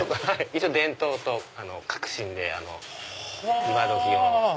一応伝統と革新で今どきの。